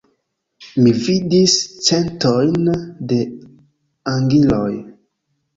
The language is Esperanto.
Mi vidis centojn da angiloj.